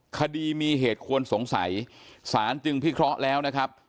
คดีมีเหตุควรสงสัยสารจึงพิเคราะห์แล้วนะครับ